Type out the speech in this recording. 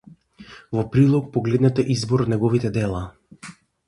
Во прилог погледнете избор од неговите дела.